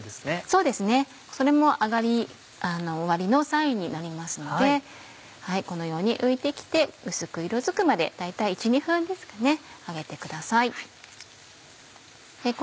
そうですねそれも揚がり終わりのサインになりますのでこのように浮いて来て薄く色づくまで大体１２分ですかね揚げてください。